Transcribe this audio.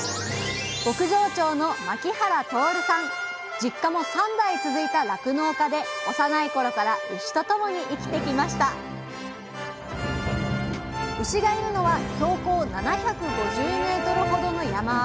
実家も３代続いた酪農家で幼い頃から牛と共に生きてきました牛がいるのは標高７５０メートルほどの山あい。